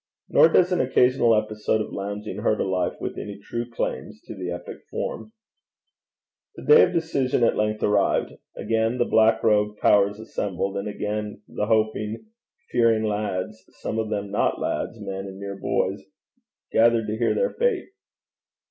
Nor does an occasional episode of lounging hurt a life with any true claims to the epic form. The day of decision at length arrived. Again the black robed powers assembled, and again the hoping, fearing lads some of them not lads, men, and mere boys gathered to hear their fate.